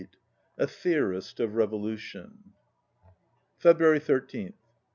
79 A THEORIST OF REVOLUTION February 13th.